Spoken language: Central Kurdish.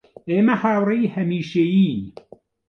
ئێمە هاوڕێی هەمیشەیین